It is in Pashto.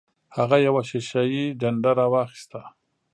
هغه یوه شیشه یي ډنډه راواخیسته.